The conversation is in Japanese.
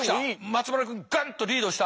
松丸君ガンッとリードした。